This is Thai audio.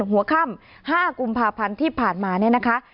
หัวค่ำ๕กุมภาพันธ์ที่ผ่านมาเนี่ยนะคะ